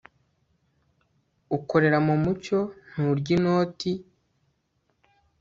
ukorera mu mucyo nturya inoti